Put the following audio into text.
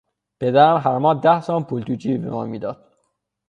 پدرم هر ماه ده تومان پول توجیبی به ما میداد.